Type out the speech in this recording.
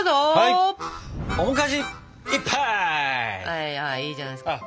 はいはいいいじゃないですか。